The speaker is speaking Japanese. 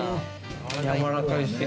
やわらかいっす。